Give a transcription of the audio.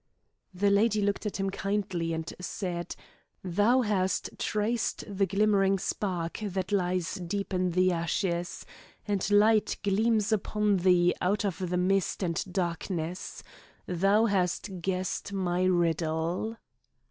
The lady looked at him kindly and said; "Thou hast traced the glimmering spark that lies deep in the ashes, and light gleams upon thee out of mist and darkness; thou hast guessed my riddle."